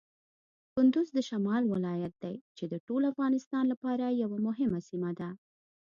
کندز د شمال ولایت دی چې د ټول افغانستان لپاره یوه مهمه سیمه ده.